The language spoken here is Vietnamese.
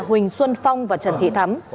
huỳnh xuân phong và trần thị thắm